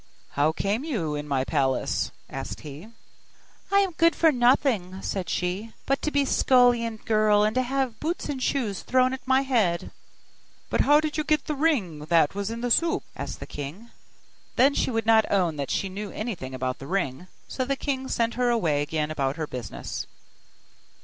'How came you in my palace?' asked he. 'I am good for nothing,' said she, 'but to be scullion girl, and to have boots and shoes thrown at my head.' 'But how did you get the ring that was in the soup?' asked the king. Then she would not own that she knew anything about the ring; so the king sent her away again about her business.